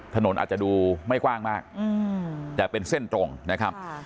ถนนอาจจะดูไม่กว้างมากแต่เป็นเส้นตรงนะครับ